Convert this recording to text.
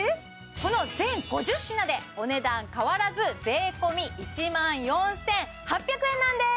この全５０品でお値段変わらず税込１万４８００円なんです！